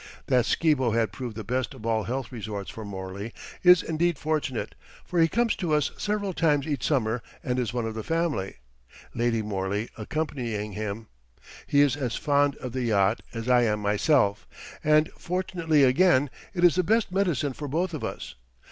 That Skibo has proved the best of all health resorts for Morley is indeed fortunate, for he comes to us several times each summer and is one of the family, Lady Morley accompanying him. He is as fond of the yacht as I am myself, and, fortunately again, it is the best medicine for both of us.